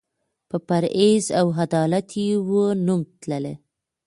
په پرهېز او عدالت یې وو نوم تللی